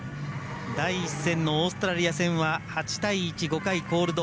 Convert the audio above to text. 第１戦のオーストラリア戦は８対１、５回コールド。